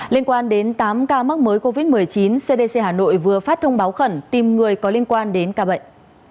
liên quan đến tám ca mắc mới covid một mươi chín cdc hà nội vừa phát thông báo khẩn tìm người có liên quan đến ca bệnh